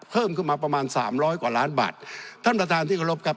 เพิ่มขึ้นมาประมาณสามร้อยกว่าล้านบาทท่านประธานที่เคารพครับ